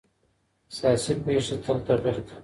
سیاسي پېښې تل تغیر کوي.